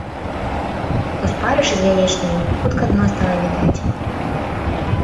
У спарышы з яечняю хутка дно стала відаць.